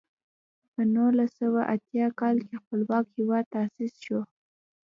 په نولس سوه اتیا کال کې خپلواک هېواد تاسیس شو.